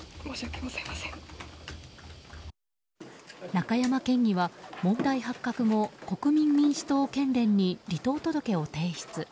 中山県議は問題発覚後国民民主党県連に離党届を提出。